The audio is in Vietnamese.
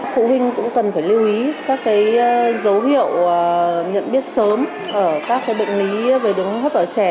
phụ huynh cũng cần phải lưu ý các dấu hiệu nhận biết sớm ở các bệnh lý về đường hấp ở trẻ